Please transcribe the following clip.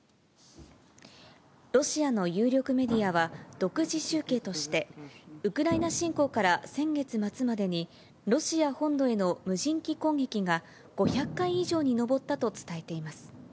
ロシアの有力メディアは、独自集計として、ウクライナ侵攻から先月末までに、ロシア本土への無人機攻撃が、５００回以上に上ったと伝えています。